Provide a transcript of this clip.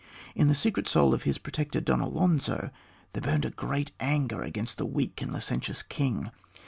In the secret soul of his protector, Don Alonzo, there burned a great anger against the weak and licentious king.